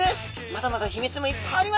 まだまだ秘密もいっぱいあります。